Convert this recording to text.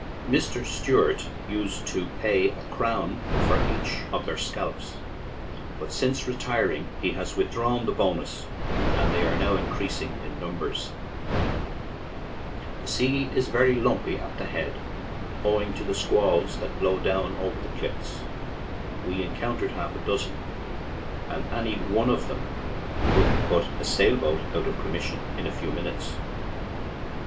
Mr. Stewart used to pay a crown each for their scalps, but since retiring he has withdrawn the bonus and they are now increasing in 24 TEMPLE ARCH, HORN HEAD, COUNTY DONEGAL DUNFANAGHY TO FALLCARRAGH numbers. The sea is very lumpy at the head, owing to the squalls that blow down over the cliffs ; we encountered half a dozen, and any one of them would have put a sailboat out of commission in a few minutes.